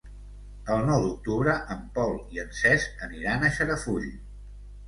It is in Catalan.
El nou d'octubre en Pol i en Cesc aniran a Xarafull.